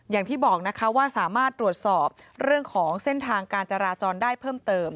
อย่างที่บอกนะคะว่าสามารถตรวจสอบเรื่องของเส้นทางการจราจรได้เพิ่มเติม